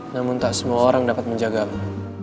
namun tak semua orang dapat menjagamu